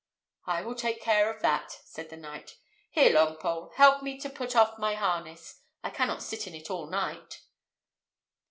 "I will take care of that," said the knight. "Here, Longpole, help me to put off my harness: I cannot sit in it all night."